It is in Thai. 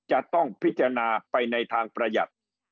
จะต้องพิจารณาไปในทางประหยัด